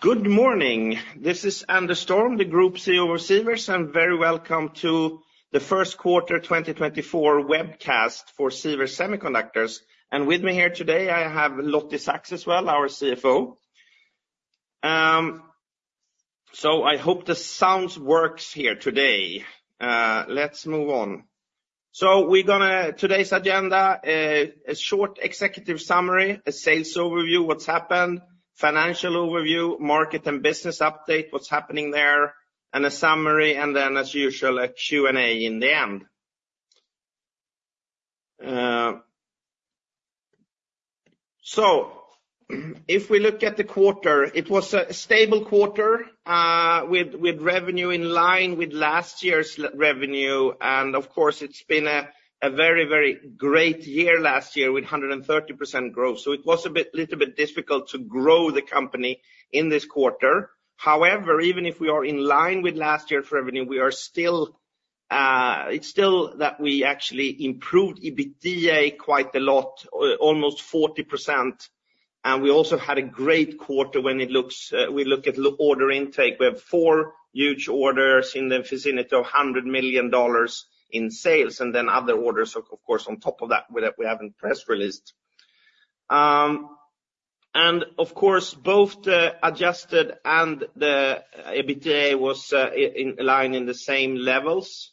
Good morning. This is Anders Storm, the Group CEO of Sivers, and very welcome to the Q1 2024 Webcast for Sivers Semiconductors. With me here today, I have Lottie Saks as well, our CFO. So I hope the sound works here today. Let's move on. So we're going to today's agenda, a short executive summary, a sales overview, what's happened, financial overview, market and business update, what's happening there, and a summary, and then as usual, a Q&A in the end. So if we look at the quarter, it was a stable quarter, with revenue in line with last year's revenue, and of course, it's been a very, very great year last year with 130% growth. So it was a bit, a little bit difficult to grow the company in this quarter. However, even if we are in line with last year's revenue, we are still, it's still that we actually improved EBITDA quite a lot, almost 40%. And we also had a great quarter when it looks, we look at order intake. We have four huge orders in the vicinity of $100 million in sales, and then other orders, of course, on top of that, we, we haven't press released. And of course, both the adjusted and the EBITDA was in line in the same levels.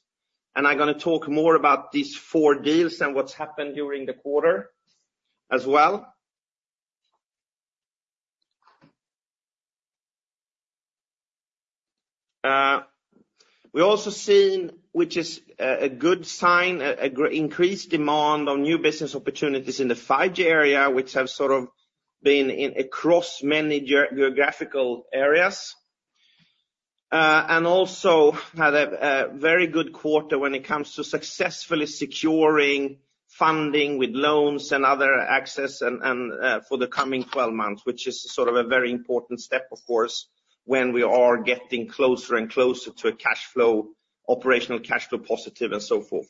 And I'm gonna talk more about these four deals and what's happened during the quarter as well. We also seen, which is a good sign, a increased demand on new business opportunities in the 5G area, which have sort of been in across many geographical areas. And also had a very good quarter when it comes to successfully securing funding with loans and other access for the coming 12 months, which is sort of a very important step, of course, when we are getting closer and closer to a cash flow operational cash flow positive and so forth.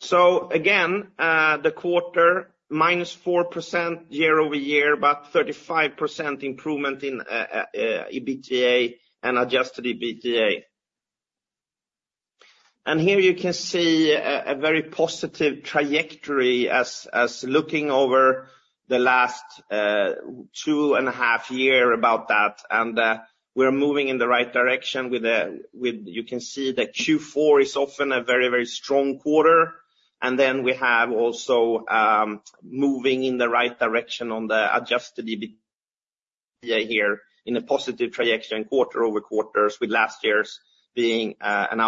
So again, the quarter, -4% year-over-year, about 35% improvement in EBITDA and adjusted EBITDA. And here you can see a very positive trajectory as looking over the last 2.5 year about that, and we're moving in the right direction with the... With, you can see that Q4 is often a very, very strong quarter. And then we have also moving in the right direction on the adjusted EBITDA here in a positive trajectory in quarter over quarters, with last year's being an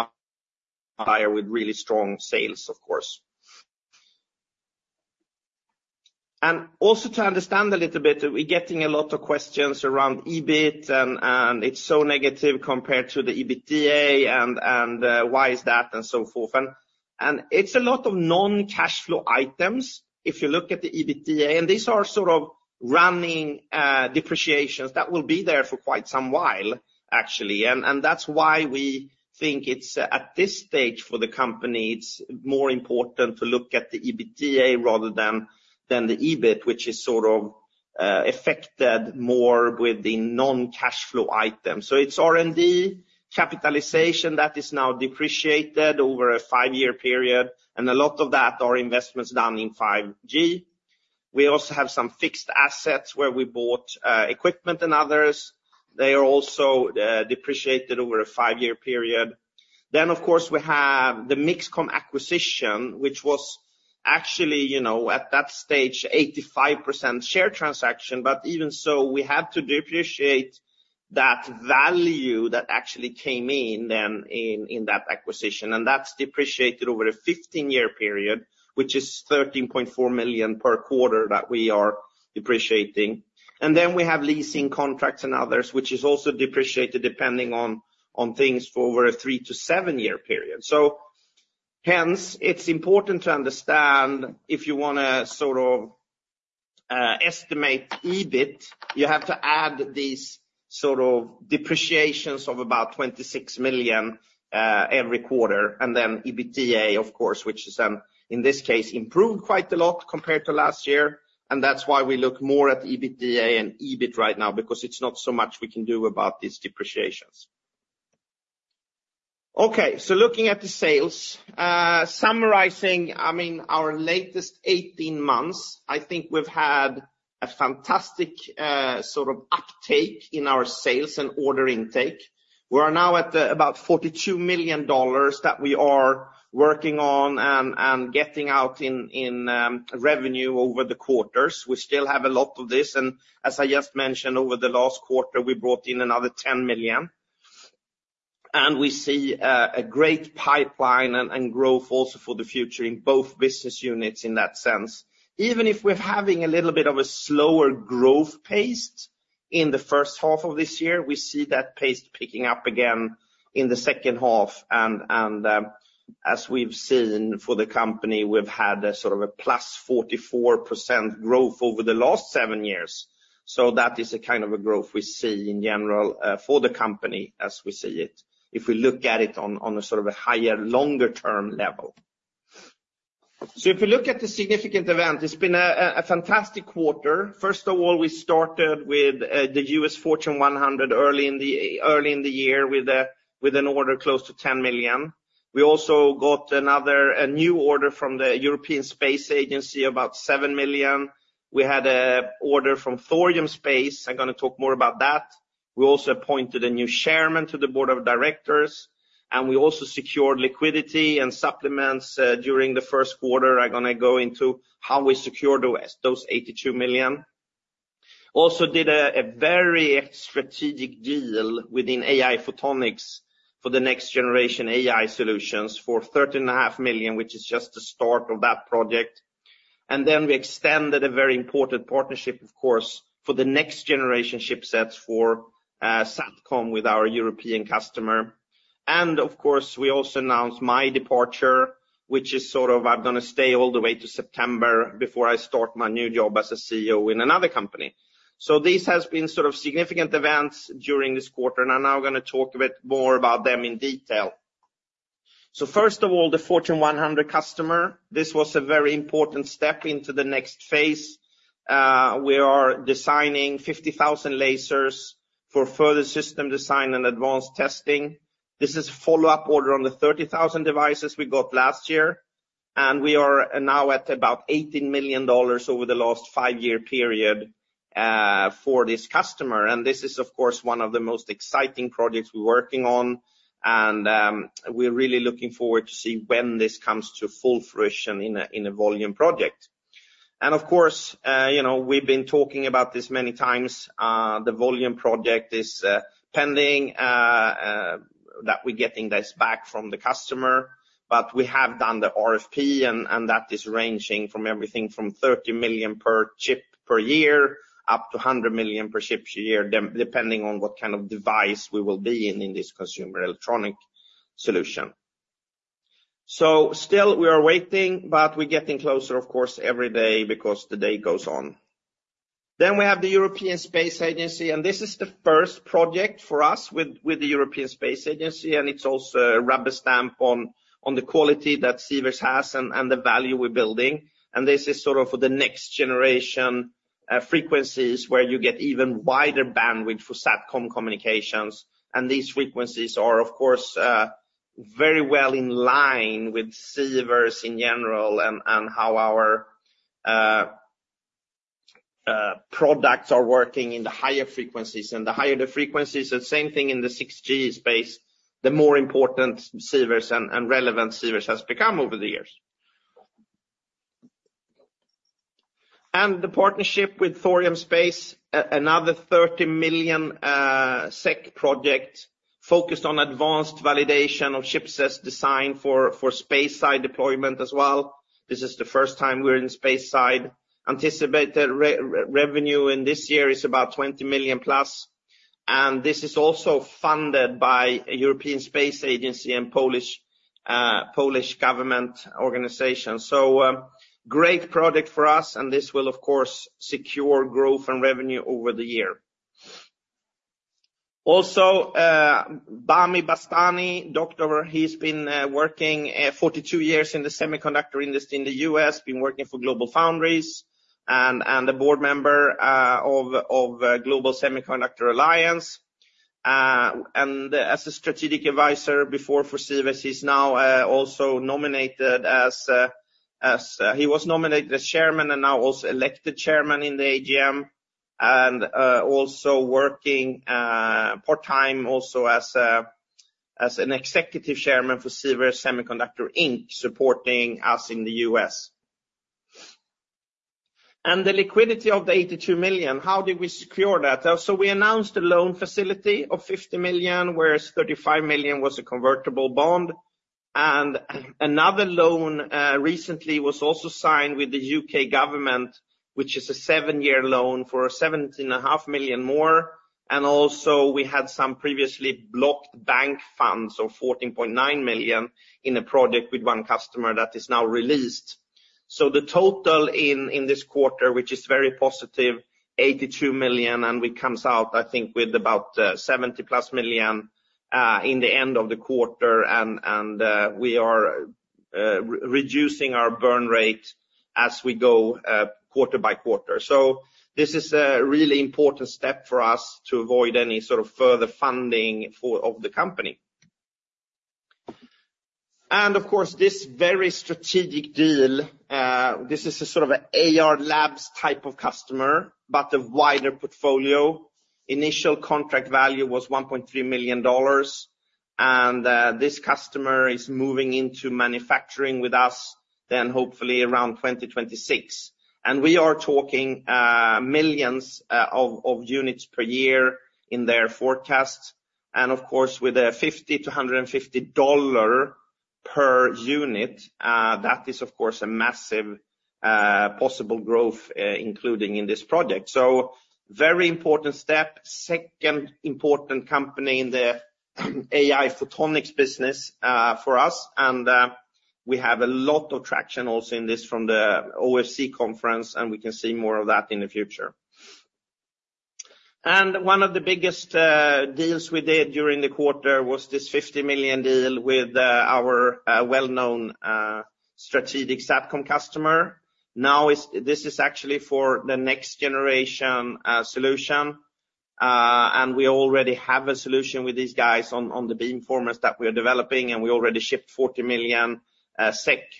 outlier with really strong sales, of course. And also to understand a little bit, we're getting a lot of questions around EBIT, and it's so negative compared to the EBITDA, and why is that, and so forth. And it's a lot of non-cash flow items if you look at the EBITDA, and these are sort of running depreciations that will be there for quite some while, actually. And that's why we think it's at this stage for the company, it's more important to look at the EBITDA rather than the EBIT, which is sort of affected more with the non-cash flow item. It's R&D capitalization that is now depreciated over a 5-year period, and a lot of that are investments done in 5G. We also have some fixed assets where we bought equipment and others. They are also depreciated over a 5-year period. Of course, we have the MixComm acquisition, which was actually, you know, at that stage, 85% share transaction, but even so, we had to depreciate that value that actually came in then in that acquisition. That's depreciated over a 15-year period, which is 13.4 million per quarter that we are depreciating. Then we have leasing contracts and others, which is also depreciated depending on things for over a 3-7-year period. Hence, it's important to understand if you want to sort of estimate EBIT, you have to add these sort of depreciations of about 26 million every quarter, and then EBITDA, of course, which is, in this case, improved quite a lot compared to last year. That's why we look more at EBITDA and EBIT right now, because it's not so much we can do about these depreciations. Okay, so looking at the sales, summarizing, I mean, our latest 18 months, I think we've had a fantastic sort of uptake in our sales and order intake. We are now at about $42 million that we are working on and getting out in revenue over the quarters. We still have a lot of this, and as I just mentioned, over the last quarter, we brought in another $10 million. We see a great pipeline and growth also for the future in both business units in that sense. Even if we're having a little bit of a slower growth pace in the first half of this year, we see that pace picking up again in the second half, and as we've seen for the company, we've had a sort of a plus 44% growth over the last seven years. So that is a kind of a growth we see in general for the company as we see it, if we look at it on a sort of a higher, longer-term level. So if you look at the significant event, it's been a fantastic quarter. First of all, we started with the US Fortune 100 early in the year with an order close to 10 million. We also got another new order from the European Space Agency, about 7 million. We had an order from Thorium Space. I'm gonna talk more about that. We also appointed a new chairman to the board of directors, and we also secured liquidity and supplements during the first quarter. I'm gonna go into how we secured those 82 million. Also did a very strategic deal within AI Photonics for the next generation AI solutions for 13.5 million, which is just the start of that project. And then we extended a very important partnership, of course, for the next generation chipsets for Satcom with our European customer. Of course, we also announced my departure, which is sort of I'm gonna stay all the way to September before I start my new job as a CEO in another company. This has been sort of significant events during this quarter, and I'm now gonna talk a bit more about them in detail. First of all, the Fortune 100 customer. This was a very important step into the next phase. We are designing 50,000 lasers for further system design and advanced testing. This is follow-up order on the 30,000 devices we got last year, and we are now at about $18 million over the last five-year period for this customer. This is, of course, one of the most exciting projects we're working on, and we're really looking forward to see when this comes to full fruition in a volume project. And of course, you know, we've been talking about this many times, the volume project is that we're getting this back from the customer, but we have done the RFP, and that is ranging from everything from 30 million per chip per year, up to 100 million per chip per year, depending on what kind of device we will be in, in this consumer electronic solution. So still we are waiting, but we're getting closer, of course, every day because the day goes on. Then we have the European Space Agency, and this is the first project for us with the European Space Agency, and it's also a rubber stamp on the quality that Sivers has and the value we're building. This is sort of for the next generation frequencies, where you get even wider bandwidth for Satcom communications. And these frequencies are, of course, very well in line with Sivers in general, and how our products are working in the higher frequencies. And the higher the frequencies, the same thing in the 6G space, the more important Sivers and relevant Sivers has become over the years. And the partnership with Thorium Space, another 30 million SEK project focused on advanced validation of chipsets design for space side deployment as well. This is the first time we're in space side. Anticipated revenue in this year is about 20 million plus, and this is also funded by a European Space Agency and Polish government organization. So, great project for us, and this will of course secure growth and revenue over the year. Also, Bami Bastani, doctor, he's been working forty-two years in the semiconductor industry in the US, been working for GlobalFoundries and a board member of Global Semiconductor Alliance. And as a strategic advisor before for Sivers, he's now also nominated as—he was nominated as chairman and now also elected chairman in the AGM, and also working part-time also as an executive chairman for Sivers Semiconductors Inc., supporting us in the US. And the liquidity of the 82 million, how did we secure that? So we announced a loan facility of 50 million, whereas 35 million was a convertible bond. And another loan recently was also signed with the U.K. government, which is a 7-year loan for 17.5 million more. And also, we had some previously blocked bank funds of 14.9 million in a project with one customer that is now released. So the total in this quarter, which is very positive, 82 million, and we comes out, I think, with about 70+ million in the end of the quarter, and we are re-reducing our burn rate as we go quarter by quarter. So this is a really important step for us to avoid any sort of further funding of the company. Of course, this very strategic deal, this is a sort of Ayar Labs type of customer, but a wider portfolio. Initial contract value was $1.3 million, and this customer is moving into manufacturing with us then hopefully around 2026. We are talking millions of units per year in their forecast. Of course, with a $50-$150 per unit, that is, of course, a massive possible growth, including in this project. So very important step, second important company in the AI photonics business for us. We have a lot of traction also in this from the OFC conference, and we can see more of that in the future. One of the biggest deals we did during the quarter was this 50 million deal with our well-known strategic Satcom customer. This is actually for the next generation solution, and we already have a solution with these guys on the beamformers that we are developing, and we already shipped 40 million SEK,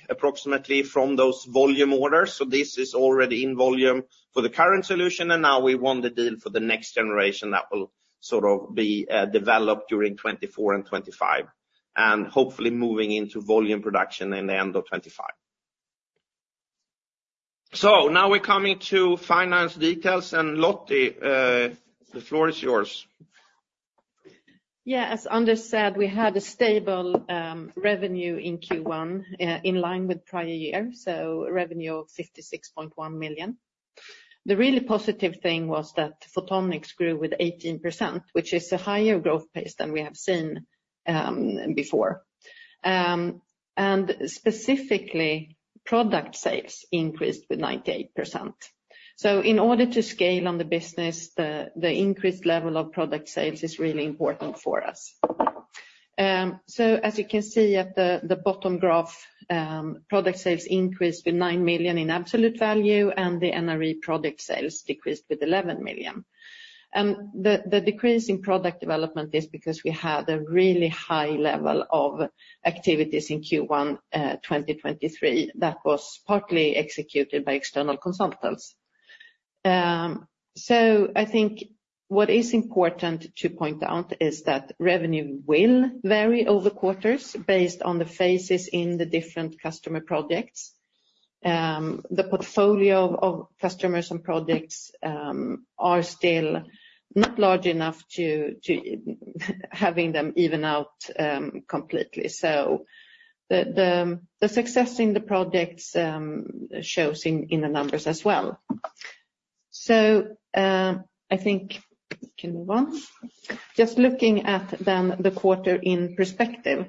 approximately, from those volume orders. So this is already in volume for the current solution, and now we won the deal for the next generation that will sort of be developed during 2024 and 2025, and hopefully moving into volume production in the end of 2025. So now we're coming to finance details, and Lotte, the floor is yours. Yeah, as Anders said, we had a stable revenue in Q1, in line with prior year, so revenue of 66.1 million. The really positive thing was that Photonics grew with 18%, which is a higher growth pace than we have seen before. And specifically, product sales increased with 98%. So in order to scale on the business, the increased level of product sales is really important for us. So as you can see at the bottom graph, product sales increased with 9 million in absolute value, and the NRE product sales decreased with 11 million. The decrease in product development is because we had a really high level of activities in Q1 2023, that was partly executed by external consultants. So I think what is important to point out is that revenue will vary over quarters based on the phases in the different customer projects. The portfolio of customers and products are still not large enough to having them even out completely. So the success in the products shows in the numbers as well. So, I think, can we move on? Just looking at then the quarter in perspective.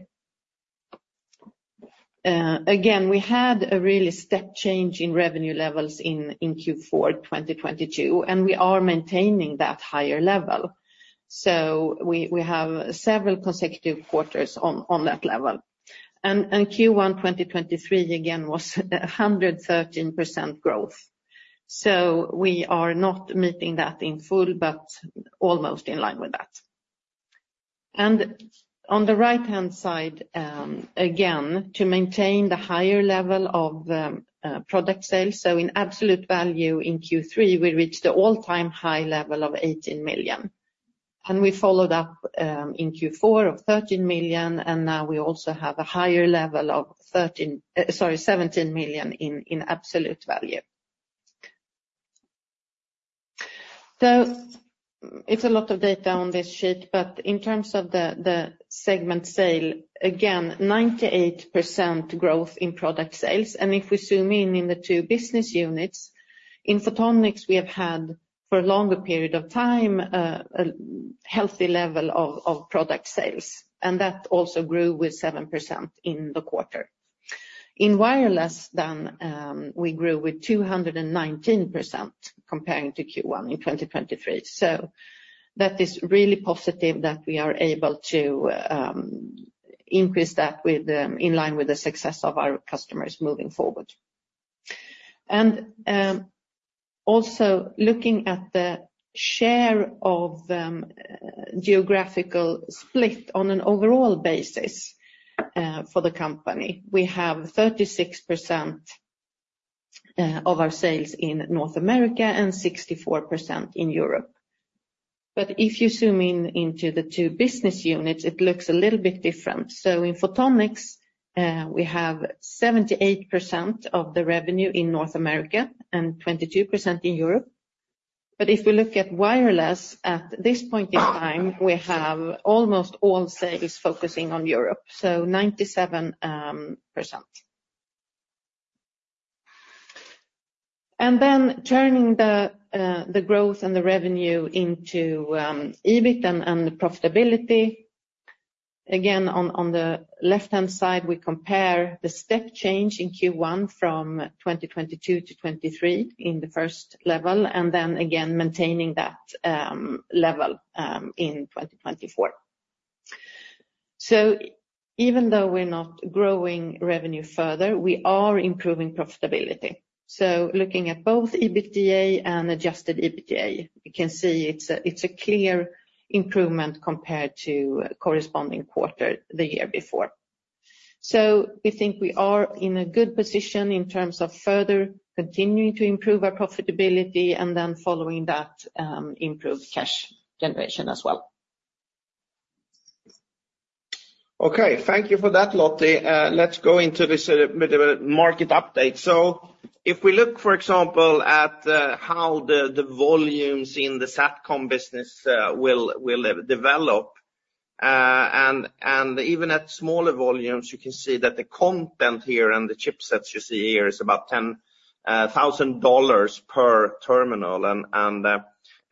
Again, we had a really step change in revenue levels in Q4 2022, and we are maintaining that higher level. So we have several consecutive quarters on that level. And Q1 2023, again, was 113% growth. So we are not meeting that in full, but almost in line with that. On the right-hand side, again, to maintain the higher level of product sales, so in absolute value in Q3, we reached the all-time high level of 18 million. We followed up in Q4 of 13 million, and now we also have a higher level of 17 million in absolute value. So it's a lot of data on this sheet, but in terms of the segment sale, again, 98% growth in product sales. If we zoom in on the two business units, in Photonics, we have had, for a longer period of time, a healthy level of product sales, and that also grew with 7% in the quarter. In Wireless, then, we grew with 219% comparing to Q1 in 2023. So that is really positive that we are able to increase that in line with the success of our customers moving forward. And also looking at the share of the geographical split on an overall basis for the company, we have 36% of our sales in North America and 64% in Europe. But if you zoom in into the two business units, it looks a little bit different. So in Photonics, we have 78% of the revenue in North America and 22% in Europe. But if we look at Wireless, at this point in time, we have almost all sales focusing on Europe, so 97%. And then turning the growth and the revenue into EBIT and profitability. Again, on, on the left-hand side, we compare the step change in Q1 from 2022 to 2023 in the first level, and then again, maintaining that level in 2024. So even though we're not growing revenue further, we are improving profitability. So looking at both EBITDA and adjusted EBITDA, you can see it's a clear improvement compared to corresponding quarter the year before. So we think we are in a good position in terms of further continuing to improve our profitability, and then following that, improved cash generation as well. Okay, thank you for that, Lotte. Let's go into this bit of a market update. So if we look, for example, at how the volumes in the Satcom business will develop, and even at smaller volumes, you can see that the content here and the chipsets you see here is about $10,000 per terminal.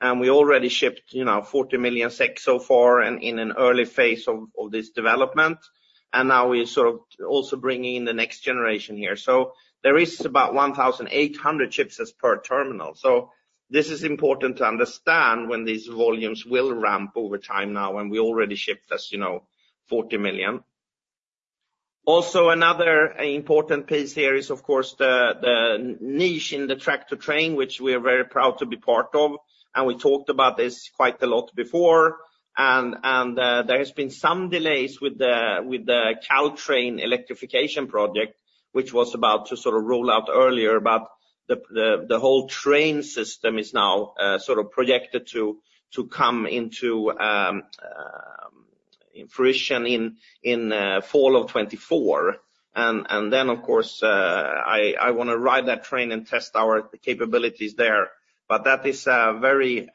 And we already shipped, you know, 40 million so far, and in an early phase of this development. And now we're sort of also bringing in the next generation here. So there is about 1,800 chipsets per terminal. So this is important to understand when these volumes will ramp over time now, and we already shipped, as you know, 40 million.... Also, another important piece here is, of course, the niche in the track-to-train, which we are very proud to be part of, and we talked about this quite a lot before. And there has been some delays with the Caltrain electrification project, which was about to sort of roll out earlier. But the whole train system is now sort of projected to come into fruition in fall of 2024. And then, of course, I want to ride that train and test our capabilities there. But that is a very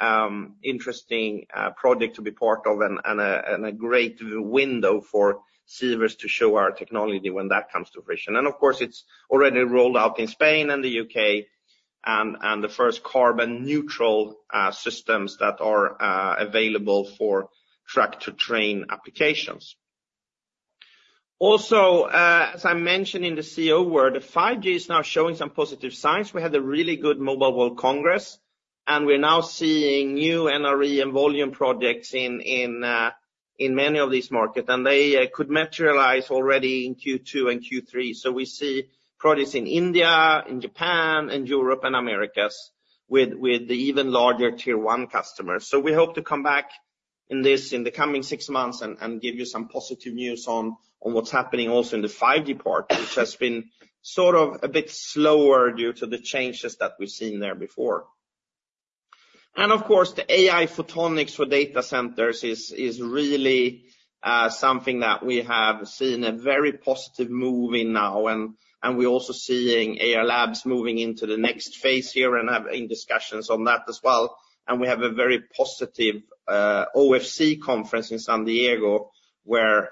interesting project to be part of, and a great window for Sivers to show our technology when that comes to fruition. Of course, it's already rolled out in Spain and the UK, and the first carbon neutral systems that are available for track-to-train applications. Also, as I mentioned in the OFC world, 5G is now showing some positive signs. We had a really good Mobile World Congress, and we're now seeing new NRE and volume projects in many of these markets, and they could materialize already in Q2 and Q3. We see products in India, in Japan, and Europe, and Americas, with the even larger Tier One customers. We hope to come back in the coming six months and give you some positive news on what's happening also in the 5G part, which has been sort of a bit slower due to the changes that we've seen there before. Of course, the AI photonics for data centers is really something that we have seen a very positive move in now, and we're also seeing Ayar Labs moving into the next phase here and have in discussions on that as well. We have a very positive OFC conference in San Diego, where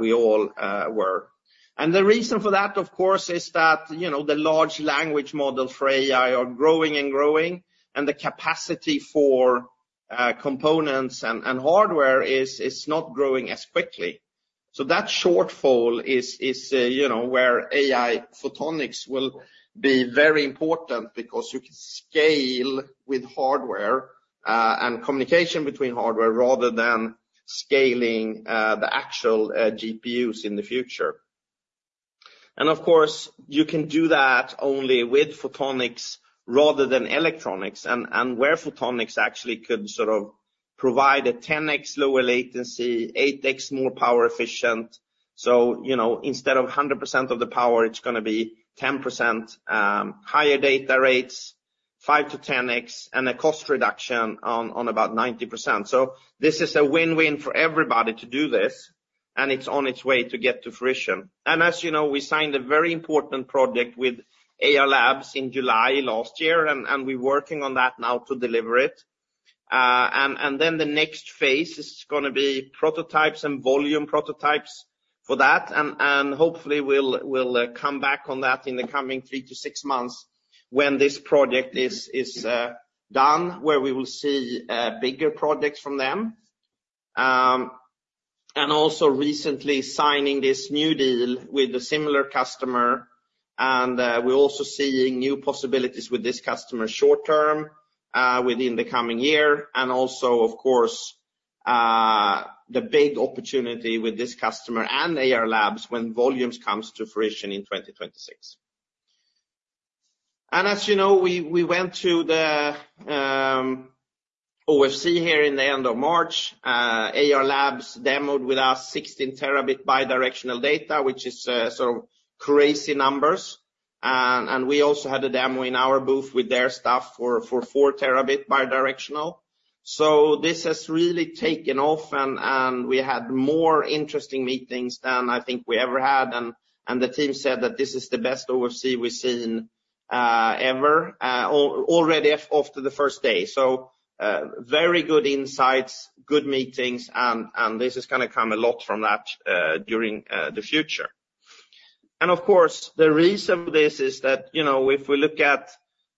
we all were. The reason for that, of course, is that, you know, the large language model for AI are growing and growing, and the capacity for components and hardware is not growing as quickly. So that shortfall is, you know, where AI photonics will be very important because you can scale with hardware and communication between hardware rather than scaling the actual GPUs in the future. Of course, you can do that only with photonics rather than electronics, and where photonics actually could sort of provide a 10x lower latency, 8x more power efficient. So, you know, instead of 100% of the power, it's gonna be 10%, higher data rates, 5-10x, and a cost reduction on about 90%. So this is a win-win for everybody to do this, and it's on its way to get to fruition. And as you know, we signed a very important project with Ayar Labs in July last year, and we're working on that now to deliver it. Then the next phase is gonna be prototypes and volume prototypes for that, and hopefully we'll come back on that in the coming 3-6 months when this project is done, where we will see bigger projects from them. And also recently signing this new deal with a similar customer, and we're also seeing new possibilities with this customer short term within the coming year. And also, of course, the big opportunity with this customer and Ayar Labs when volumes comes to fruition in 2026. As you know, we went to the OFC here in the end of March. Ayar Labs demoed with us 16 terabit bidirectional data, which is sort of crazy numbers. We also had a demo in our booth with their stuff for 4 terabit bidirectional. So this has really taken off, and we had more interesting meetings than I think we ever had, and the team said that this is the best OFC we've seen ever, already after the first day. So, very good insights, good meetings, and this is gonna come a lot from that during the future. And of course, the reason for this is that, you know, if we look at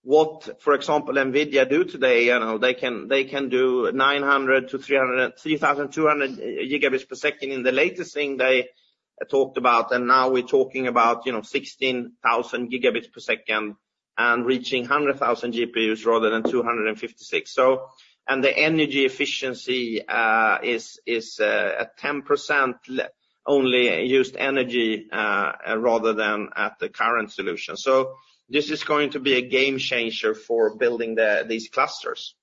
what, for example, NVIDIA do today, you know, they can, they can do 900-300... 3,200 gigabits per second in the latest thing they talked about, and now we're talking about, you know, 16,000 gigabits per second and reaching 100,000 GPUs rather than 256. So, and the energy efficiency is at 10% only used energy rather than at the current solution. So this is going to be a game changer for building these clusters.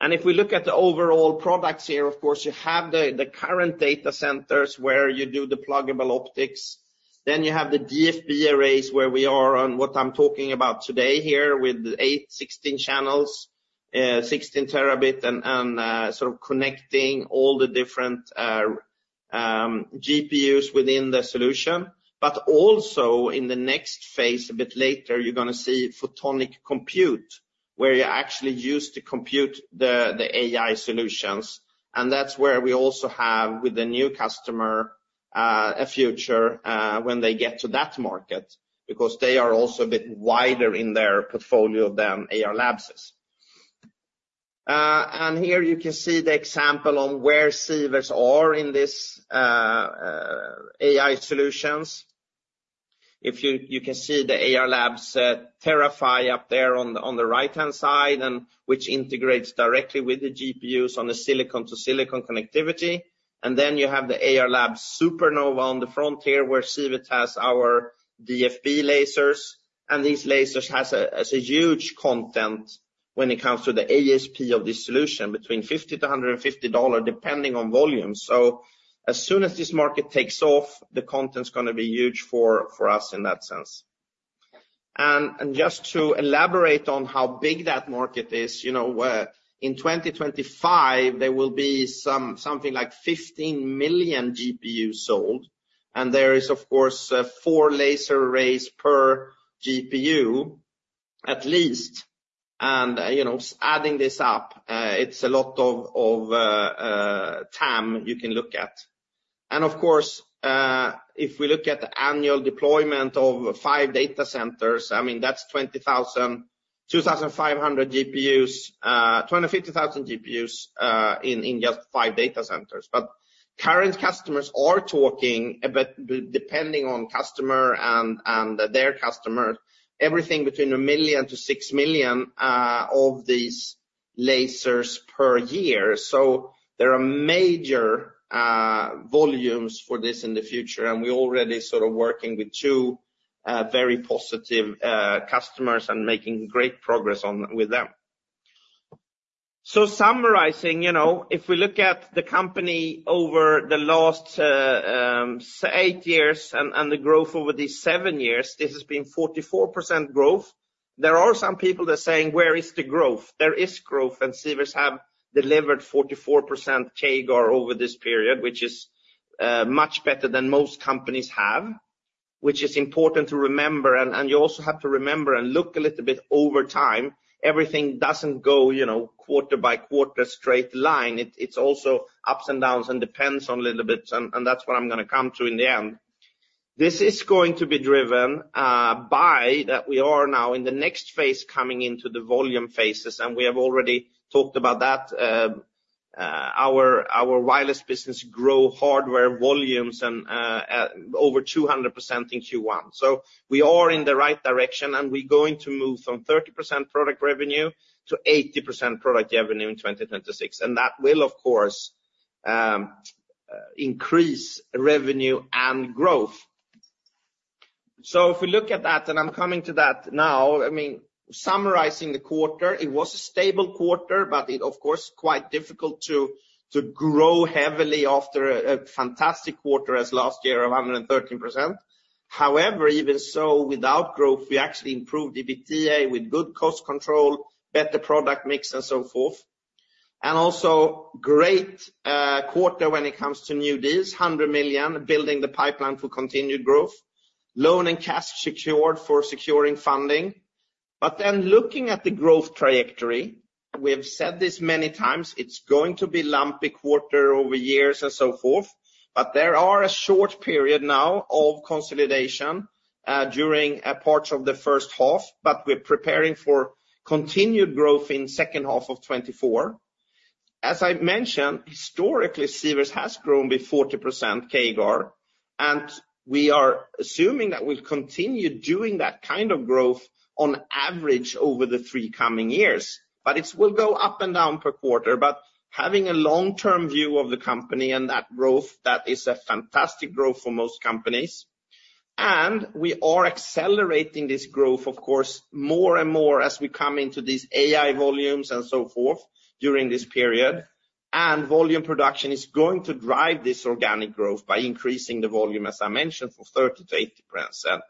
And if we look at the overall products here, of course, you have the current data centers where you do the pluggable optics. Then you have the DFB arrays, where we are on what I'm talking about today here, with 8, 16 channels, 16 terabit, and sort of connecting all the different GPUs within the solution. But also in the next phase, a bit later, you're gonna see photonic compute, where you actually use to compute the, the AI solutions. And that's where we also have, with the new customer, a future, when they get to that market, because they are also a bit wider in their portfolio than Ayar Labs is. And here you can see the example on where Sivers are in this, AI solutions. If you can see the Ayar Labs, TeraPHY up there on the, on the right-hand side, and which integrates directly with the GPUs on the silicon to silicon connectivity. And then you have the Ayar Labs Supernova, on the frontier, where Sivers has our DFB lasers. These lasers has a huge content when it comes to the ASP of this solution, between $50-$150, depending on volume. So as soon as this market takes off, the content is going to be huge for us in that sense. And just to elaborate on how big that market is, you know, in 2025, there will be something like 15 million GPUs sold, and there is, of course, 4 laser arrays per GPU, at least. And, you know, adding this up, it's a lot of TAM you can look at. And of course, if we look at the annual deployment of five data centers, I mean, that's 20,000-25,000 GPUs in just five data centers. But current customers are talking, but depending on customer and, and their customer, everything between 1 million to 6 million of these lasers per year. So there are major volumes for this in the future, and we already sort of working with two very positive customers and making great progress on, with them. So summarizing, you know, if we look at the company over the last 8 years and, and the growth over these 7 years, this has been 44% growth. There are some people that are saying, where is the growth? There is growth, and Sivers have delivered 44% CAGR over this period, which is much better than most companies have, which is important to remember. You also have to remember and look a little bit over time. Everything doesn't go, you know, quarter by quarter straight line. It's also ups and downs and depends on a little bit, and that's what I'm going to come to in the end. This is going to be driven by that we are now in the next phase, coming into the volume phases, and we have already talked about that. Our wireless business grow hardware volumes over 200% in Q1. So we are in the right direction, and we're going to move from 30% product revenue to 80% product revenue in 2026, and that will, of course, increase revenue and growth. So if we look at that, and I'm coming to that now, I mean, summarizing the quarter, it was a stable quarter, but it, of course, quite difficult to grow heavily after a fantastic quarter as last year of 113%. However, even so, without growth, we actually improved the EBITDA with good cost control, better product mix, and so forth. And also great quarter when it comes to new deals, 100 million, building the pipeline for continued growth, loan and cash secured for securing funding. But then looking at the growth trajectory, we have said this many times, it's going to be lumpy quarter over years and so forth. But there are a short period now of consolidation during a part of the first half, but we're preparing for continued growth in second half of 2024. As I mentioned, historically, Sivers has grown with 40% CAGR, and we are assuming that we'll continue doing that kind of growth on average over the 3 coming years. But it will go up and down per quarter, but having a long-term view of the company and that growth, that is a fantastic growth for most companies. And we are accelerating this growth, of course, more and more as we come into these AI volumes and so forth during this period. And volume production is going to drive this organic growth by increasing the volume, as I mentioned, from 30% to 80%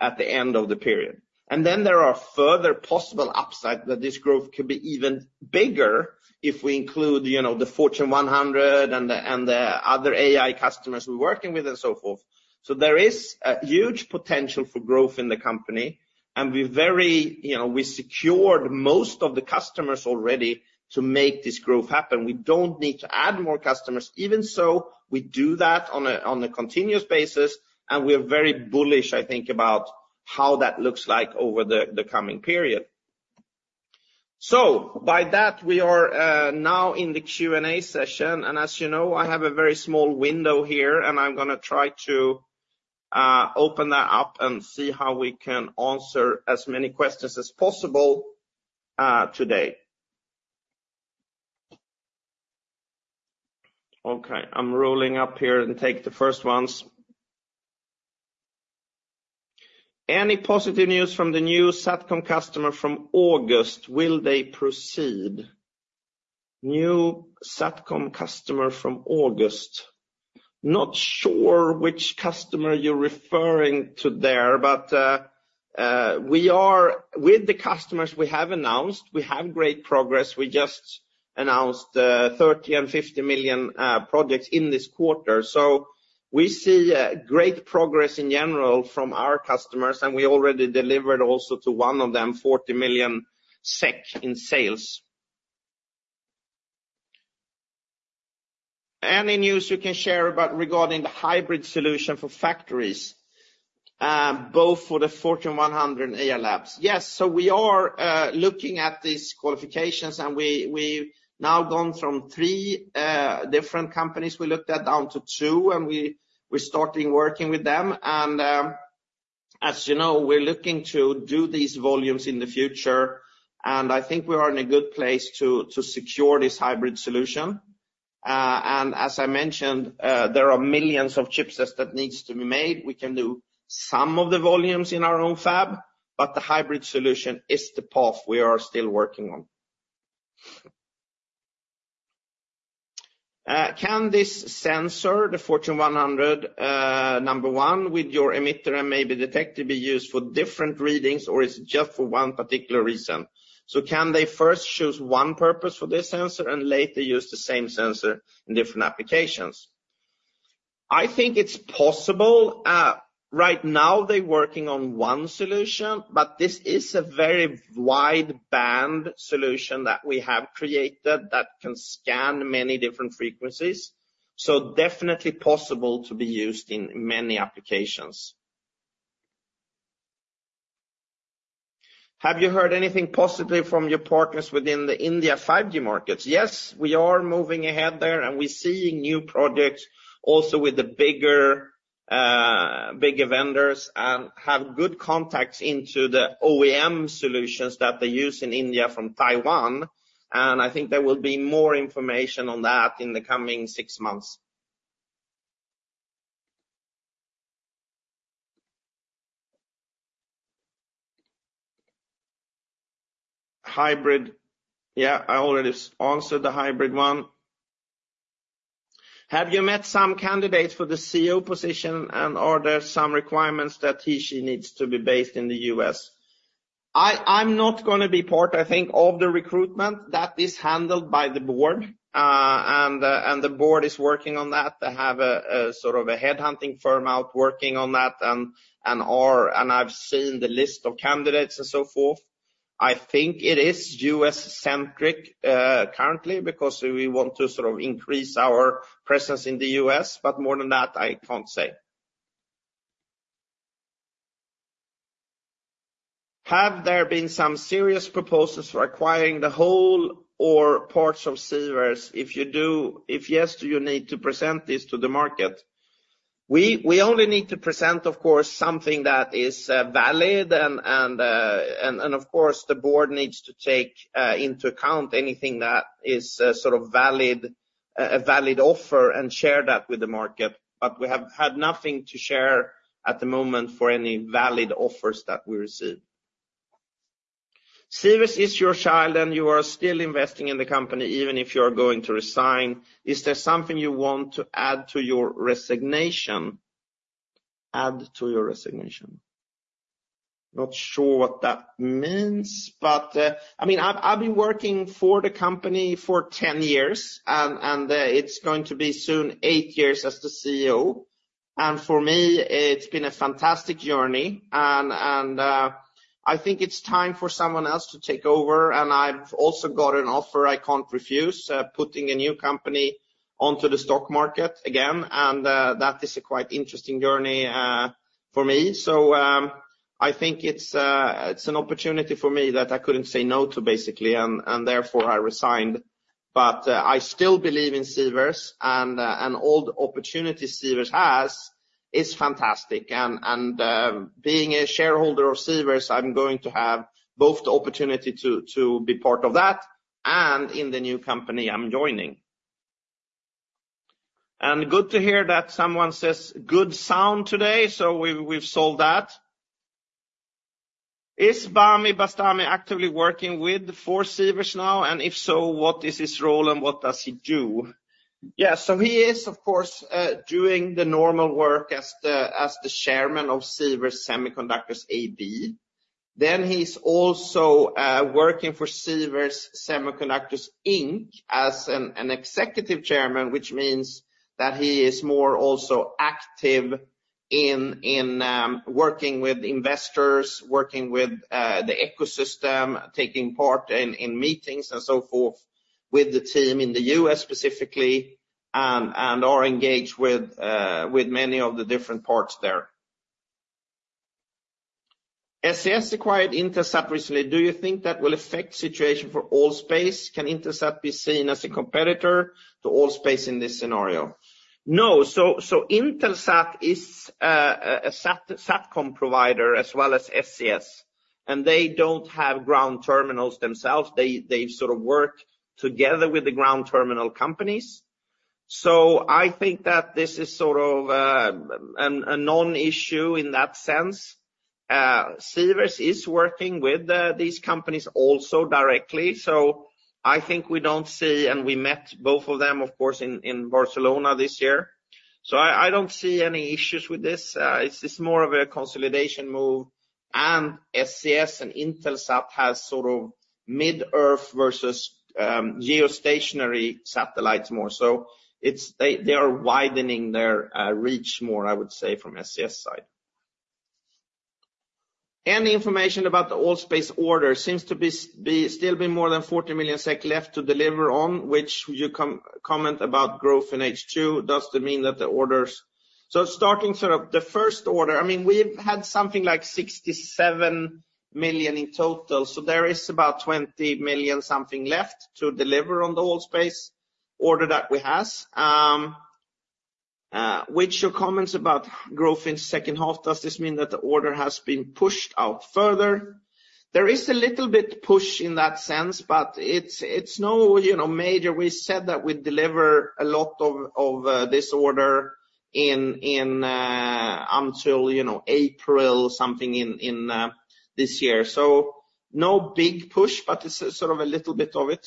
at the end of the period. And then there are further possible upside, that this growth could be even bigger if we include, you know, the Fortune 100 and the, and the other AI customers we're working with and so forth. So there is a huge potential for growth in the company, and we very, you know, we secured most of the customers already to make this growth happen. We don't need to add more customers. Even so, we do that on a continuous basis, and we are very bullish, I think, about how that looks like over the coming period. So by that, we are now in the Q&A session, and as you know, I have a very small window here, and I'm going to try to open that up and see how we can answer as many questions as possible today. Okay, I'm rolling up here and take the first ones. Any positive news from the new SATCOM customer from August, will they proceed? New SATCOM customer from August. Not sure which customer you're referring to there, but we are with the customers we have announced, we have great progress. We just announced 30 and 50 million projects in this quarter. So we see great progress in general from our customers, and we already delivered also to one of them, 40 million SEK in sales. Any news you can share about regarding the hybrid solution for factories, both for the Fortune 100 and Ayar Labs? Yes. So we are looking at these qualifications, and we, we've now gone from 3 different companies we looked at down to 2, and we're starting working with them. As you know, we're looking to do these volumes in the future, and I think we are in a good place to secure this hybrid solution. And as I mentioned, there are millions of chipsets that needs to be made. We can do some of the volumes in our own fab, but the hybrid solution is the path we are still working on. Can this sensor, the Fortune 100 number one, with your emitter and maybe detector be used for different readings, or is it just for one particular reason? So can they first choose one purpose for this sensor and later use the same sensor in different applications? I think it's possible. Right now, they're working on one solution, but this is a very wide band solution that we have created that can scan many different frequencies. So definitely possible to be used in many applications. Have you heard anything positively from your partners within the India 5G markets? Yes, we are moving ahead there, and we're seeing new projects also with the bigger bigger vendors, and have good contacts into the OEM solutions that they use in India from Taiwan. And I think there will be more information on that in the coming six months. Hybrid, yeah, I already answered the hybrid one. Have you met some candidates for the CEO position, and are there some requirements that he, she needs to be based in the US? I'm not gonna be part, I think, of the recruitment. That is handled by the board, and the board is working on that. They have a sort of a headhunting firm out working on that, and I've seen the list of candidates and so forth. I think it is US-centric, currently, because we want to sort of increase our presence in the US, but more than that, I can't say. Have there been some serious proposals for acquiring the whole or parts of Sivers? If you do—if yes, do you need to present this to the market? We only need to present, of course, something that is valid, and of course, the board needs to take into account anything that is sort of valid, a valid offer and share that with the market. But we have had nothing to share at the moment for any valid offers that we receive. Sivers is your child, and you are still investing in the company, even if you are going to resign. Is there something you want to add to your resignation? Add to your resignation. Not sure what that means, but I mean, I've been working for the company for 10 years, and it's going to be soon eight years as the CEO. For me, it's been a fantastic journey, and I think it's time for someone else to take over, and I've also got an offer I can't refuse, putting a new company onto the stock market again, and that is a quite interesting journey for me. So, I think it's an opportunity for me that I couldn't say no to, basically, and therefore, I resigned. But I still believe in Sivers, and all the opportunity Sivers has is fantastic. Being a shareholder of Sivers, I'm going to have both the opportunity to be part of that and in the new company I'm joining. Good to hear that someone says good sound today, so we've solved that. Is Bami Bastani actively working with, for Sivers now? And if so, what is his role and what does he do? Yeah, so he is, of course, doing the normal work as the chairman of Sivers Semiconductors AB. Then he's also working for Sivers Semiconductors Inc. as an executive chairman, which means that he is more also active in working with investors, working with the ecosystem, taking part in meetings and so forth, with the team in the US, specifically, and are engaged with many of the different parts there. SES acquired Intelsat recently. Do you think that will affect situation for All.Space? Can Intelsat be seen as a competitor to All.Space in this scenario? No. So Intelsat is a satcom provider as well as SES, and they don't have ground terminals themselves. They sort of work together with the ground terminal companies. So I think that this is sort of a non-issue in that sense. Sivers is working with these companies also directly, so I think we don't see, and we met both of them, of course, in Barcelona this year. So I don't see any issues with this. It's just more of a consolidation move, and SES and Intelsat has sort of mid-earth versus geostationary satellites more. So they are widening their reach more, I would say, from SES side. Any information about the All.Space order seems to be still more than 40 million SEK left to deliver on, which you comment about growth in H2. Does it mean that the orders... So starting sort of the first order, I mean, we've had something like 67 million SEK in total, so there is about 20 million SEK something left to deliver on the All.Space order that we have. With your comments about growth in second half, does this mean that the order has been pushed out further? There is a little bit push in that sense, but it's, it's no, you know, major. We said that we'd deliver a lot of this order in until, you know, April something in this year. So no big push, but it's sort of a little bit of it.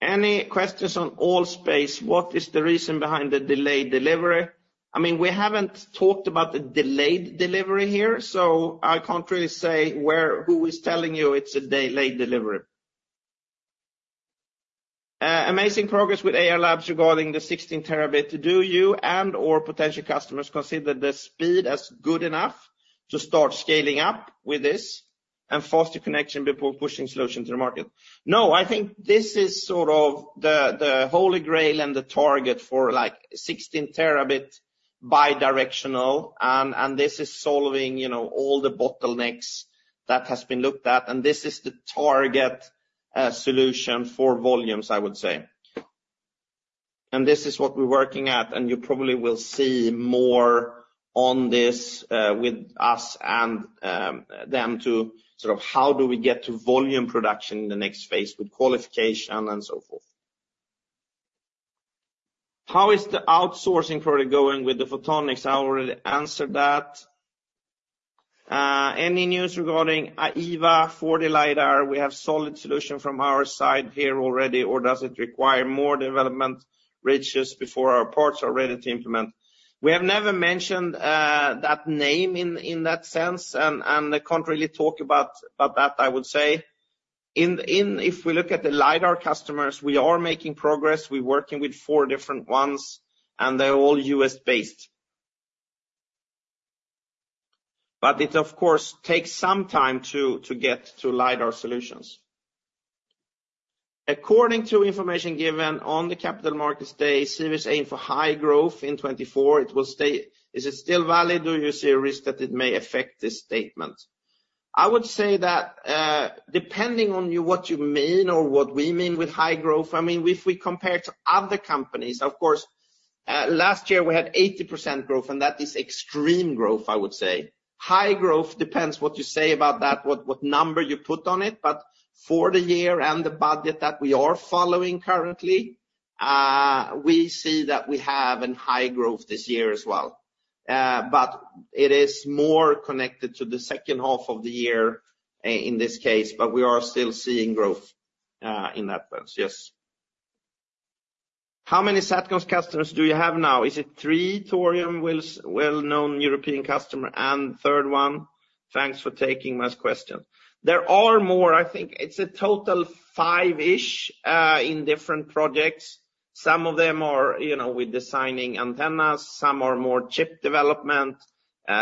Any questions on All.Space? What is the reason behind the delayed delivery? I mean, we haven't talked about the delayed delivery here, so I can't really say where-- who is telling you it's a delayed delivery. Amazing progress with Ayar Labs regarding the 16 terabit. Do you and/or potential customers consider the speed as good enough to start scaling up with this and foster connection before pushing solution to the market? No, I think this is sort of the, the Holy Grail and the target for, like, 16 terabit bidirectional, and, and this is solving, you know, all the bottlenecks that has been looked at, and this is the target, solution for volumes, I would say. This is what we're working at, and you probably will see more on this, with us and them to sort of how do we get to volume production in the next phase with qualification and so forth. How is the outsourcing product going with the photonics? I already answered that. Any news regarding Aeva for the LiDAR? We have solid solution from our side here already, or does it require more development reaches before our parts are ready to implement? We have never mentioned that name in that sense, and I can't really talk about that, I would say. If we look at the LiDAR customers, we are making progress. We're working with four different ones, and they're all US-based. But it, of course, takes some time to get to LiDAR solutions. According to information given on the capital markets day, Sivers aim for high growth in 2024, it will stay. Is it still valid, or do you see a risk that it may affect this statement? I would say that, depending on you, what you mean or what we mean with high growth, I mean, if we compare to other companies, of course, last year we had 80% growth, and that is extreme growth, I would say. High growth depends what you say about that, what, what number you put on it. But for the year and the budget that we are following currently, we see that we have a high growth this year as well. But it is more connected to the second half of the year in this case, but we are still seeing growth, in that sense, yes. How many Satcom customers do you have now? Is it three, Thorium, well-known European customer, and third one? Thanks for taking my question. There are more. I think it's a total five-ish in different projects. Some of them are, you know, with designing antennas, some are more chip development,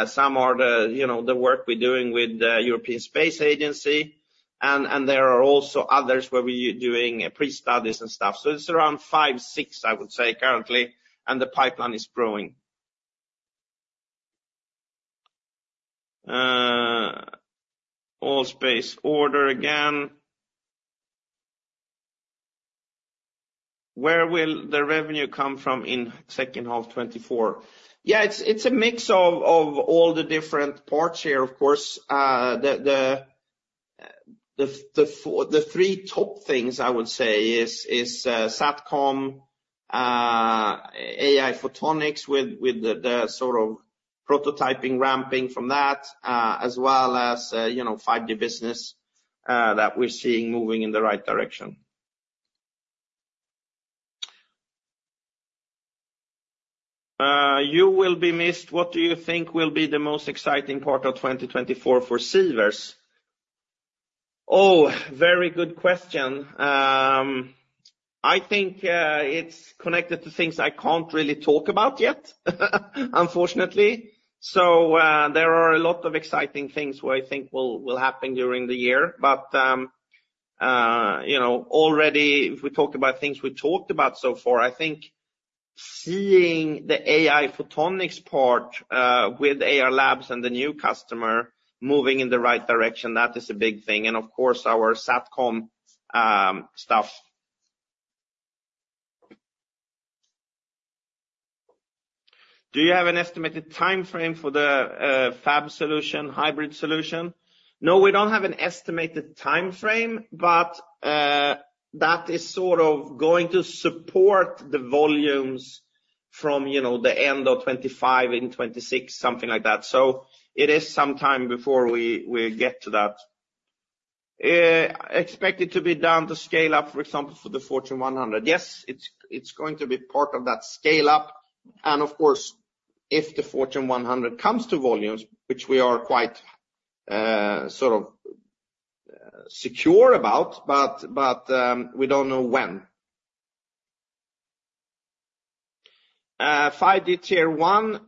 some are the, you know, the work we're doing with the European Space Agency, and there are also others where we doing pre-studies and stuff. So it's around five, six, I would say, currently, and the pipeline is growing. All.Space order again. Where will the revenue come from in second half 2024? Yeah, it's a mix of all the different parts here, of course. The three top things I would say is SATCOM, AI Photonics with the sort of prototyping ramping from that, as well as, you know, 5G business that we're seeing moving in the right direction. You will be missed. What do you think will be the most exciting part of 2024 for Sivers? Oh, very good question. I think it's connected to things I can't really talk about yet, unfortunately. So, there are a lot of exciting things where I think will happen during the year. But, you know, already, if we talk about things we talked about so far, I think seeing the AI photonics part with Ayar Labs and the new customer moving in the right direction, that is a big thing. And of course, our SATCOM stuff. Do you have an estimated time frame for the fab solution, hybrid solution? No, we don't have an estimated time frame, but that is sort of going to support the volumes from, you know, the end of 2025 and 2026, something like that. So it is some time before we get to that. Expect it to be down to scale up, for example, for the Fortune 100. Yes, it's going to be part of that scale-up. And of course, if the Fortune 100 comes to volumes, which we are quite sort of secure about, but we don't know when. 5G Tier 1,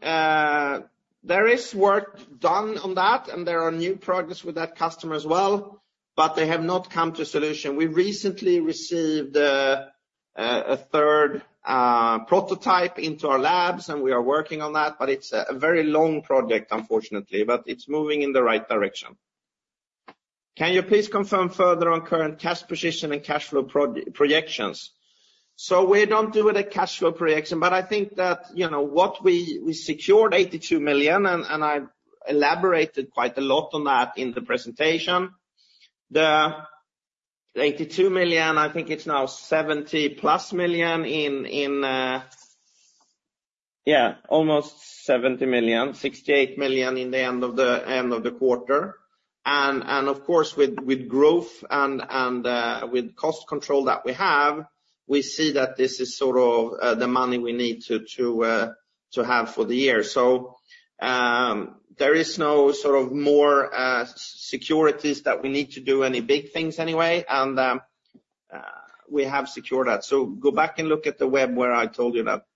there is work done on that, and there are new progress with that customer as well, but they have not come to a solution. We recently received the-... a third prototype into our labs, and we are working on that, but it's a very long project, unfortunately, but it's moving in the right direction. Can you please confirm further on current cash position and cash flow projections? So we don't do with a cash flow projection, but I think that, you know, what we, we secured 82 million, and, and I elaborated quite a lot on that in the presentation. The 82 million, I think it's now 70+ million in, in, yeah, almost 70 million, 68 million in the end of the end of the quarter. And, and, of course, with, with growth and, and, with cost control that we have, we see that this is sort of, the money we need to, to, to have for the year. So, there is no sort of more securities that we need to do any big things anyway, and we have secured that. So go back and look at the web where I told you that.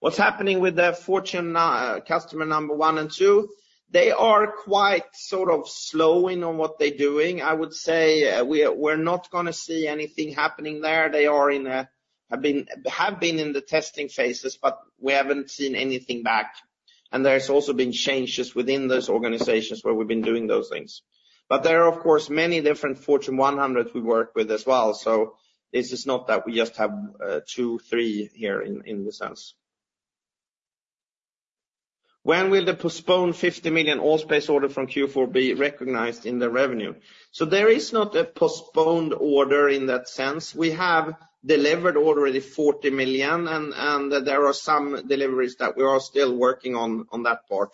What's happening with the Fortune 500 customer number 1 and 2? They are quite sort of slowing on what they're doing. I would say, we're not gonna see anything happening there. They have been in the testing phases, but we haven't seen anything back, and there's also been changes within those organizations where we've been doing those things. But there are, of course, many different Fortune 100 we work with as well, so it's just not that we just have 2, 3 here in the sense. When will the postponed 50 million All.Space order from Q4 be recognized in the revenue? So there is not a postponed order in that sense. We have delivered already 40 million, and there are some deliveries that we are still working on, on that part.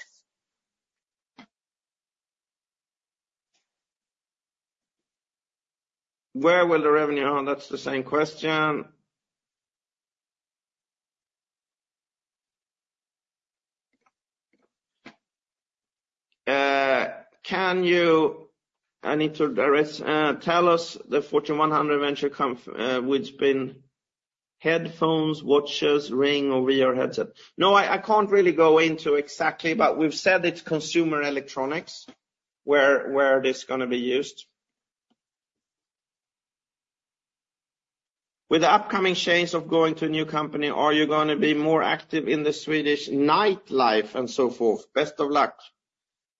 Where will the revenue... Oh, that's the same question. Can you, I need to address, tell us the Fortune 100 venture com- which been headphones, watches, ring, or VR headset? No, I, I can't really go into exactly, but we've said it's consumer electronics, where, where it's gonna be used. With the upcoming change of going to a new company, are you gonna be more active in the Swedish nightlife and so forth? Best of luck.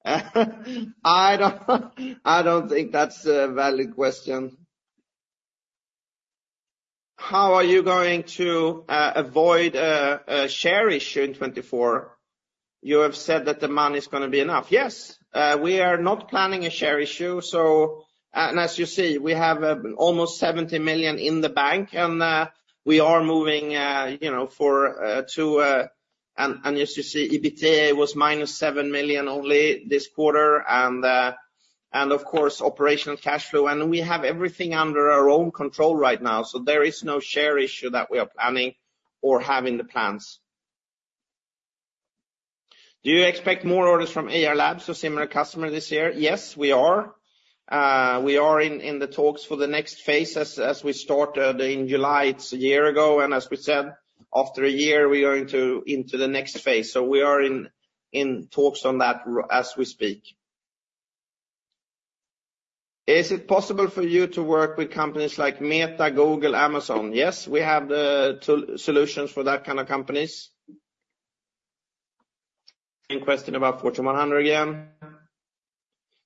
I don't, I don't think that's a valid question. How are you going to avoid a, a share issue in 2024? You have said that the money is gonna be enough. Yes, we are not planning a share issue, so, and as you see, we have almost 70 million in the bank, and we are moving, you know, for to, and as you see, EBITDA was -7 million only this quarter, and of course, operational cash flow, and we have everything under our own control right now, so there is no share issue that we are planning or have in the plans. Do you expect more orders from Ayar Labs or similar customer this year? Yes, we are. We are in the talks for the next phases as we started in July, it's a year ago, and as we said, after a year, we are into the next phase. So we are in talks on that as we speak. Is it possible for you to work with companies like Meta, Google, Amazon? Yes, we have the solutions for that kind of companies. Same question about Fortune 100 again.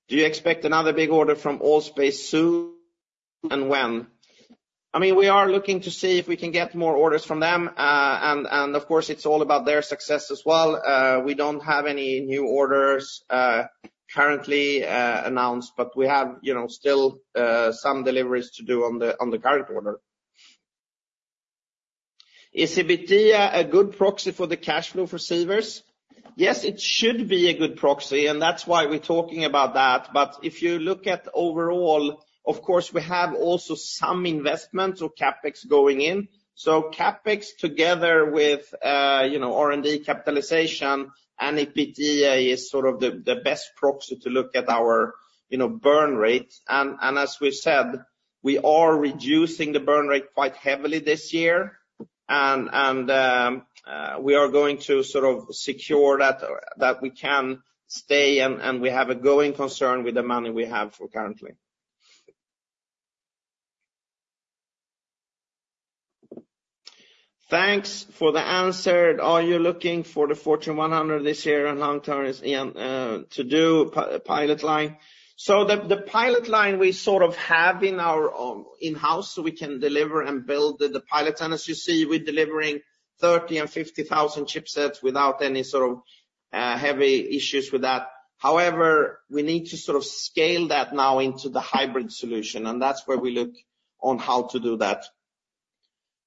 Do you expect another big order from All.Space soon, and when? I mean, we are looking to see if we can get more orders from them, and of course, it's all about their success as well. We don't have any new orders currently announced, but we have, you know, still some deliveries to do on the current order. Is EBITDA a good proxy for the cash flow for Sivers? Yes, it should be a good proxy, and that's why we're talking about that. But if you look at overall, of course, we have also some investment, so CapEx going in. So CapEx, together with, you know, R&D capitalization, and EBITDA is sort of the best proxy to look at our, you know, burn rate. And as we said, we are reducing the burn rate quite heavily this year, and we are going to sort of secure that we can stay, and we have a going concern with the money we have currently. Thanks for the answer. Are you looking for the Fortune 100 this year and long term is to do pilot line? So the pilot line we sort of have in our in-house, so we can deliver and build the pilots. As you see, we're delivering 30,000 and 50,000 chipsets without any sort of heavy issues with that. However, we need to sort of scale that now into the hybrid solution, and that's where we look on how to do that.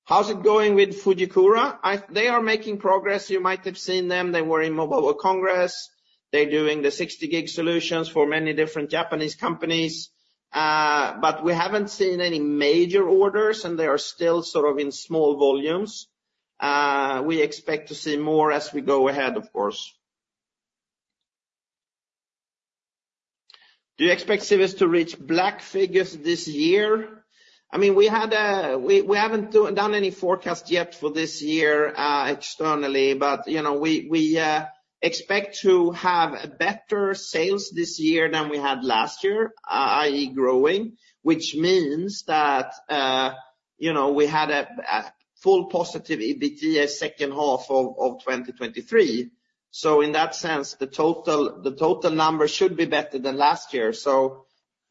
How's it going with Fujikura? They are making progress. You might have seen them. They were in Mobile Congress. They're doing the 60 gig solutions for many different Japanese companies. But we haven't seen any major orders, and they are still sort of in small volumes. We expect to see more as we go ahead, of course. Do you expect Sivers to reach black figures this year? I mean, we had, we haven't done any forecast yet for this year externally, but, you know, we, we... Expect to have better sales this year than we had last year, i.e., growing, which means that, you know, we had a full positive EBITDA second half of 2023. So in that sense, the total, the total number should be better than last year. So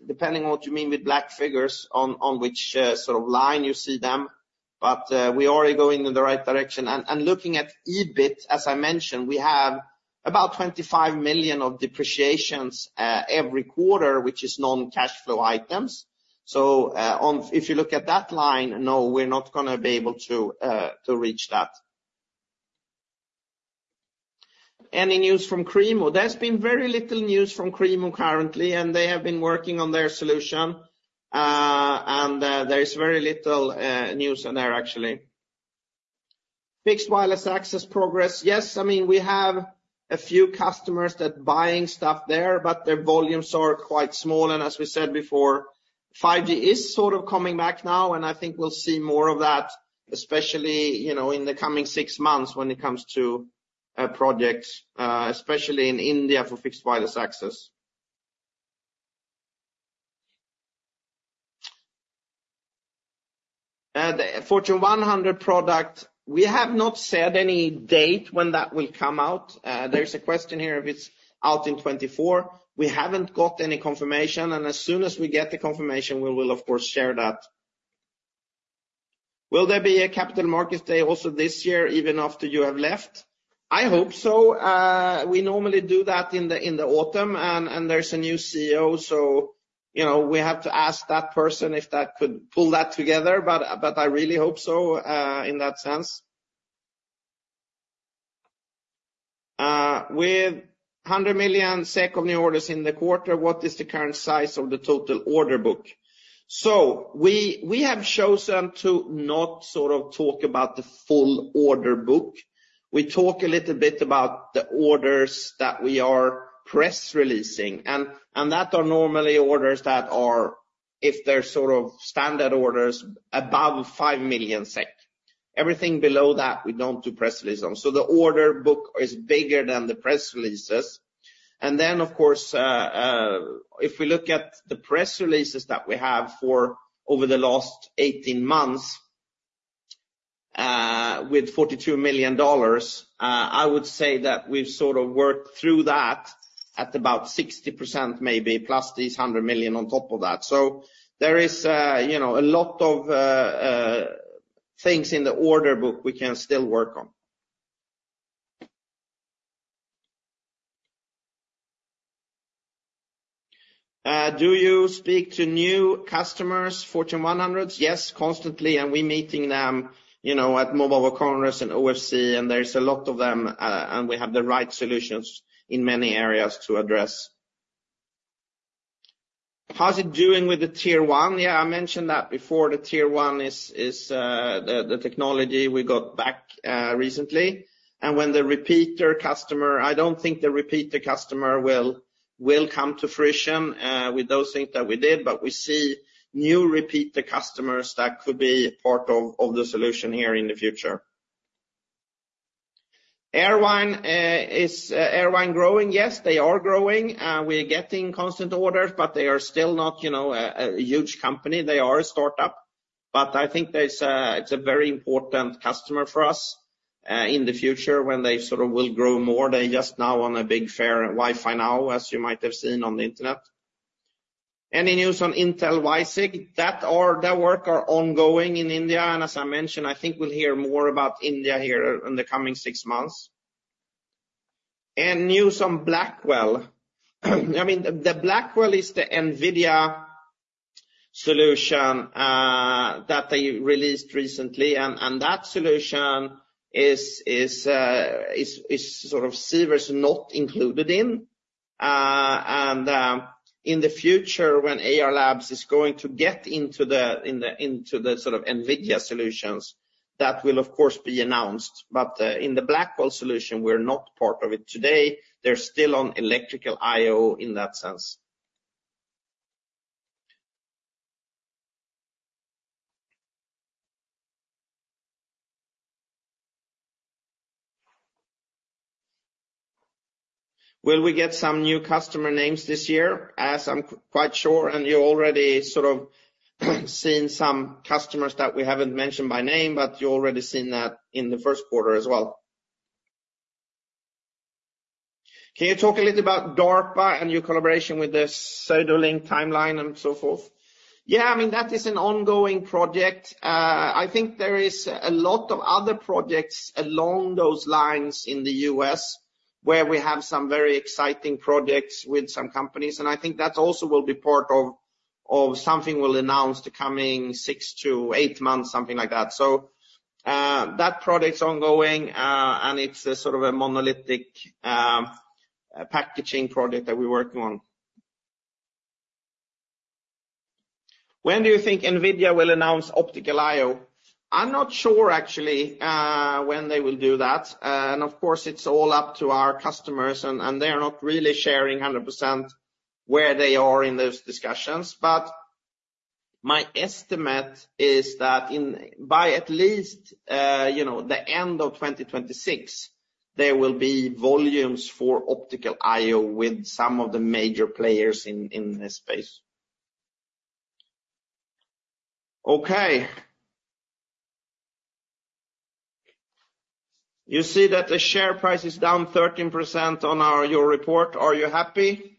depending on what you mean with black figures, on which sort of line you see them, but, we're already going in the right direction. And looking at EBIT, as I mentioned, we have about 25 million of depreciations every quarter, which is non-cash flow items. So, if you look at that line, no, we're not gonna be able to reach that. Any news from KCMO? There's been very little news from KCMO currently, and they have been working on their solution. And there is very little news on there, actually. Fixed wireless access progress. Yes, I mean, we have a few customers that buying stuff there, but their volumes are quite small. And as we said before, 5G is sort of coming back now, and I think we'll see more of that, especially, you know, in the coming six months when it comes to projects, especially in India, for fixed wireless access. The Fortune 100 product, we have not set any date when that will come out. There's a question here if it's out in 2024. We haven't got any confirmation, and as soon as we get the confirmation, we will, of course, share that. Will there be a capital markets day also this year, even after you have left? I hope so. We normally do that in the, in the autumn, and there's a new CEO, so, you know, we have to ask that person if that could pull that together. But I really hope so, in that sense. With 100 million SEK of new orders in the quarter, what is the current size of the total order book? So we have chosen to not sort of talk about the full order book. We talk a little bit about the orders that we are press releasing, and that are normally orders that are, if they're sort of standard orders, above 5 million SEK. Everything below that, we don't do press release on. So the order book is bigger than the press releases. Of course, if we look at the press releases that we have for over the last 18 months, with $42 million, I would say that we've sort of worked through that at about 60%, maybe, plus these $100 million on top of that. So there is, you know, a lot of things in the order book we can still work on. Do you speak to new customers, Fortune 100s? Yes, constantly, and we're meeting them, you know, at Mobile Congress and OFC, and there's a lot of them, and we have the right solutions in many areas to address. How's it doing with the Tier One? Yeah, I mentioned that before. The Tier One is the technology we got back recently. And when the repeater customer—I don't think the repeater customer will come to fruition with those things that we did, but we see new repeater customers that could be part of the solution here in the future. Airvine, is Airvine growing? Yes, they are growing, we're getting constant orders, but they are still not, you know, a huge company. They are a start-up, but I think it's a very important customer for us in the future, when they sort of will grow more. They're just now on a big fair, Wi-Fi NOW, as you might have seen on the internet. Any news on Intel WiSig? That, or their work are ongoing in India, and as I mentioned, I think we'll hear more about India here in the coming six months. And news on Blackwell. I mean, the Blackwell is the NVIDIA solution that they released recently, and that solution is sort of Sivers not included in. And, in the future, when Ayar Labs is going to get into the sort of NVIDIA solutions, that will, of course, be announced. But, in the Blackwell solution, we're not part of it today. They're still on Electrical I/O in that sense. Will we get some new customer names this year? As I'm quite sure, and you already sort of seen some customers that we haven't mentioned by name, but you already seen that in the first quarter as well. Can you talk a little about DARPA and your collaboration with the PseudolithIC Timeline and so forth? Yeah, I mean, that is an ongoing project. I think there is a lot of other projects along those lines in the US, where we have some very exciting projects with some companies, and I think that also will be part of something we'll announce the coming six to eight months, something like that. So, that project's ongoing, and it's a sort of a monolithic packaging project that we're working on. When do you think NVIDIA will announce Optical I/O? I'm not sure, actually, when they will do that. And of course, it's all up to our customers, and they are not really sharing 100% where they are in those discussions. But my estimate is that in, by at least, you know, the end of 2026, there will be volumes for Optical I/O with some of the major players in this space. Okay. You see that the share price is down 13% on our annual report. Are you happy?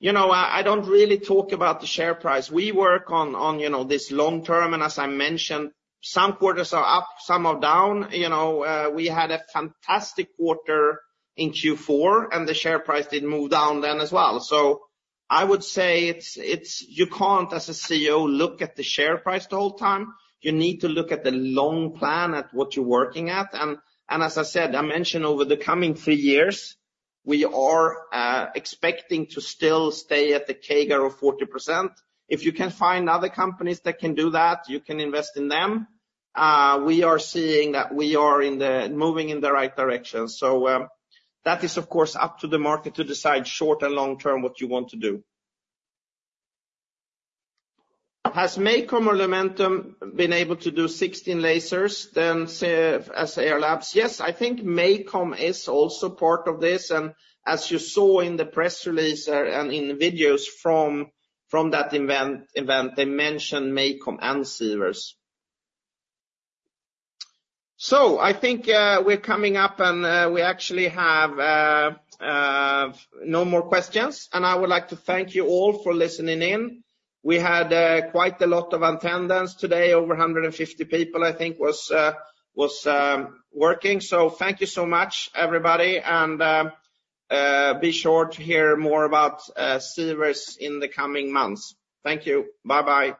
You know, I, I don't really talk about the share price. We work on, on, you know, this long term, and as I mentioned, some quarters are up, some are down. You know, we had a fantastic quarter in Q4, and the share price did move down then as well. So I would say it's, it's - you can't, as a CEO, look at the share price the whole time. You need to look at the long plan at what you're working at. And, and as I said, I mentioned over the coming three years, we are expecting to still stay at the CAGR of 40%. If you can find other companies that can do that, you can invest in them. We are seeing that we are moving in the right direction. So, that is, of course, up to the market to decide short- and long-term what you want to do. Has MACOM or Lumentum been able to do 16 lasers than, say, as Ayar Labs? Yes, I think MACOM is also part of this, and as you saw in the press release and in the videos from that event, they mentioned MACOM and Sivers. So I think, we're coming up, and we actually have no more questions, and I would like to thank you all for listening in. We had quite a lot of attendance today, over 150 people, I think, was working. Thank you so much, everybody, and be sure to hear more about Sivers in the coming months. Thank you. Bye-bye!